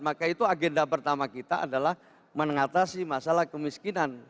maka itu agenda pertama kita adalah mengatasi masalah kemiskinan